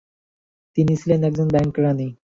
তিনি ছিলেন একজন ব্যাংক কেরানী।